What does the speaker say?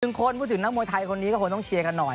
คนพูดถึงนักมวยไทยคนนี้ก็คงต้องเชียร์กันหน่อย